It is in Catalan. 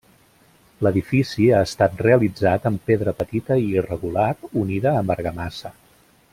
L'edifici ha estat realitzat amb pedra petita i irregular unida amb argamassa.